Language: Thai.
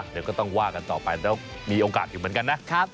เดี๋ยวก็ต้องว่ากันต่อไปแล้วมีโอกาสอยู่เหมือนกันนะ